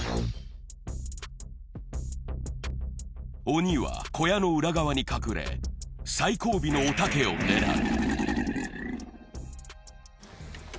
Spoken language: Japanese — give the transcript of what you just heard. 鬼は小屋の裏側に隠れ、最後尾のおたけを狙う。